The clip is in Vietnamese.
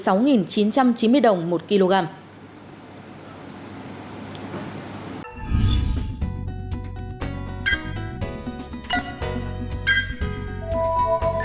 cụ thể giá xăng e năm ron chín mươi hai trong nước đã tăng chín trăm chín mươi đồng một lít lên mức hai mươi bốn ba trăm sáu mươi đồng một lít